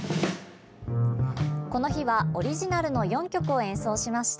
この日は、オリジナルの４曲を演奏しました。